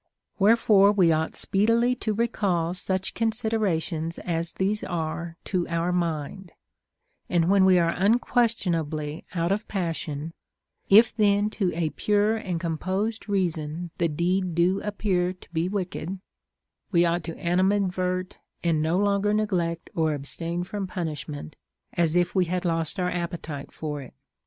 AVherefore we ought speedily to recall such considerations as these are to our mind ; and when we are unquestionably out of passion, if then to a pure and composed reason the deed do appear to be wicked, we ought to animadvert, and no longer neglect or abstain from pun ishment, as if we had lost our appetite for it.